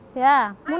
thì à mũn ơi